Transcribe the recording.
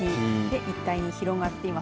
一帯に広がっています。